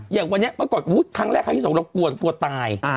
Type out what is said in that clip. อย่างวันนี้วันก่อนครั้งแรกครั้งที่๒เรากลัวตาย